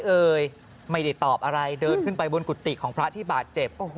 เอ่ยไม่ได้ตอบอะไรเดินขึ้นไปบนกุฏิของพระที่บาดเจ็บ